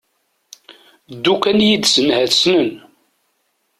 Ddu kan yid-sen ahat ssnen.